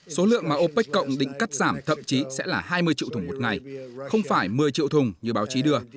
số lượng mà opec cộng định cắt giảm thậm chí sẽ là hai mươi triệu thùng một ngày không phải một mươi triệu thùng như báo chí đưa